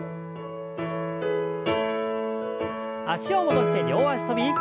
脚を戻して両脚跳び。